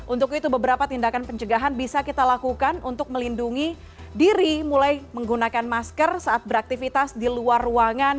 untuk itu beberapa tindakan pencegahan bisa kita lakukan untuk melindungi diri mulai menggunakan masker saat beraktivitas di luar ruangan